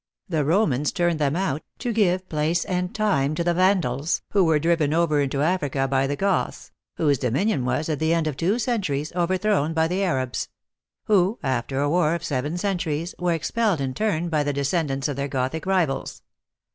The Romans turned them out, to give place in time to the Vandals ; who were driven over into Africa by the Goths whose dominion was, at the end of two centuries, overthrown by the Arabs ; who, after a war of seven centuries, were expelled in turn by the descendants of their Gothic rivals.